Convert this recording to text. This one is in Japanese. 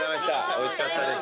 おいしかったです。